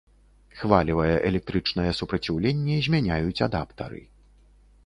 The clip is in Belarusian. Хвалевае электрычнае супраціўленне змяняюць адаптары.